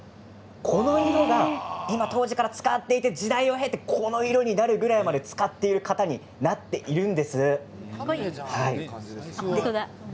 この色が今、当時から使っていて時代をへてこのようになるぐらいまで使っている型になっているんです。